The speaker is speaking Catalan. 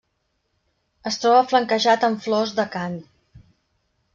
Es troba flanquejat amb flors d'acant.